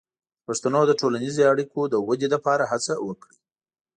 د پښتو د ټولنیزې اړیکو د ودې لپاره هڅه وکړئ.